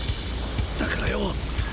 だからよ